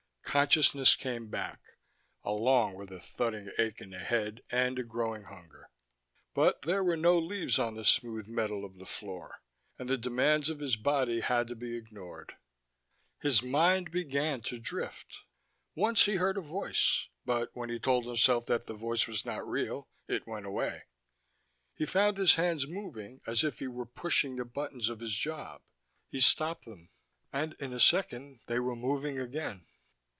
Consciousness came back, along with a thudding ache in the head and a growing hunger: but there were no leaves on the smooth metal of the floor, and the demands of his body had to be ignored. His mind began to drift: once he heard a voice, but when he told himself that the voice was not real, it went away. He found his hands moving as if he were pushing the buttons of his job. He stopped them and in a second they were moving again.